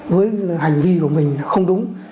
với hành vi của mình không đúng